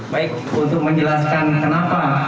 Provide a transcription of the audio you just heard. baik untuk menjelaskan kenapa